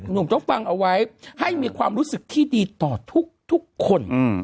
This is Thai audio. หนุ่มต้องฟังเอาไว้ให้มีความรู้สึกที่ดีต่อทุกคน